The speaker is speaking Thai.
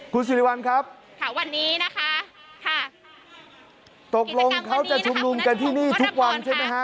คุณสิริวัลครับค่ะวันนี้นะคะค่ะตกลงเขาจะชุมนุมกันที่นี่ทุกวันใช่ไหมฮะ